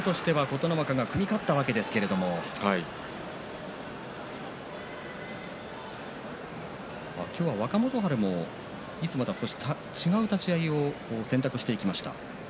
組み手としては琴ノ若が組み勝ったわけですけど若元春もいつもとは違う立ち合いを選択していきました。